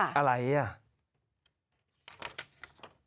อะไรอ่ะ